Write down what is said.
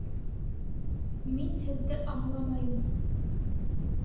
Мин һеҙҙе аңламайым